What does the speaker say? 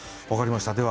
分かりました。